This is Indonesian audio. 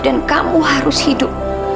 dan kamu harus hidup